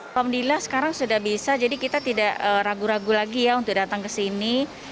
alhamdulillah sekarang sudah bisa jadi kita tidak ragu ragu lagi ya untuk datang ke sini